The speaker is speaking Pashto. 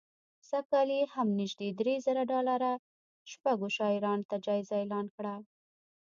سږ کال یې هم نژدې درې زره ډالره شپږو شاعرانو ته جایزه اعلان کړه